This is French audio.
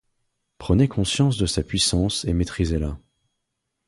Prenez conscience de sa puissance et maîtrisez-la.